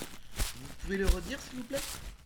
Vous pouvez le redire s’il vous plait ?